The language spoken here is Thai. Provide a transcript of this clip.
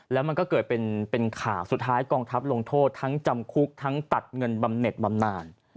แล้วมันก็เกิดเป็นข่าวสุดท้ายกองทัพลงโทษทั้งจำคุกทั้งตัดเงินบำเน็ตบำนาน